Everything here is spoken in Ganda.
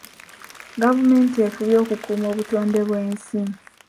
Gavumenti efubye okukuuma obutonde bw'ensi.